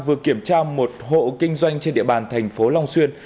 vừa kiểm tra một hộ kinh doanh trên địa bàn tp long xuyên